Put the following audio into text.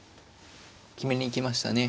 決めに行きましたね。